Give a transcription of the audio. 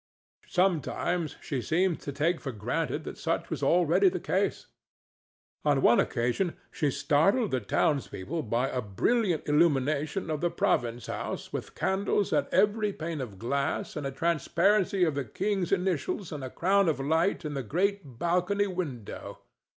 Sometimes she seemed to take for granted that such was already the case. On one occasion she startled the townspeople by a brilliant illumination of the province house with candles at every pane of glass and a transparency of the king's initials and a crown of light in the great balcony window.